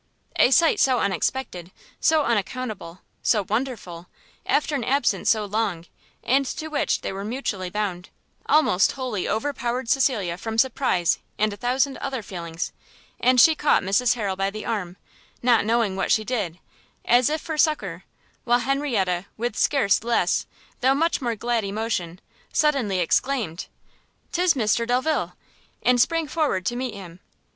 A sight so unexpected, so unaccountable, so wonderful, after an absence so long, and to which they were mutually bound, almost wholly over powered Cecilia from surprise and a thousand other feelings, and she caught Mrs Harrel by the arm, not knowing what she did, as if for succour; while Henrietta with scarce less, though much more glad emotion, suddenly exclaimed, "'tis Mr Delvile!" and sprang forward to meet him.